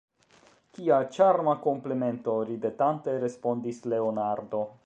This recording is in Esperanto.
Kia ĉarma komplimento! ridetante respondis Leonardo.